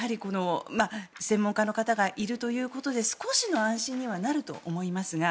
専門家の方がいるということで少しの安心にはなると思いますが